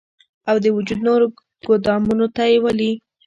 او د وجود نورو ګودامونو ته ئې ولي